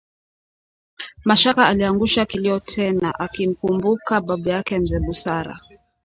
Mashaka aliangusha kilio tena akimkumbuka babu yake Mzee Busara